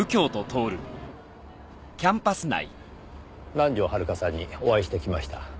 南条遥さんにお会いしてきました。